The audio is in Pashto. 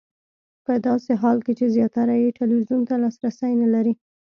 په داسې حال کې چې زیاتره یې ټلویزیون ته لاسرسی نه لري.